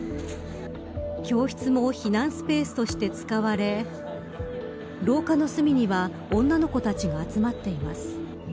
教室も避難スペースとして使われ廊下の隅には女の子たちが集まっています。